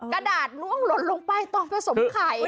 กระดาษลดลงไปตอนผสมไข่